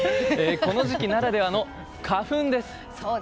この時期ならではの、花粉です。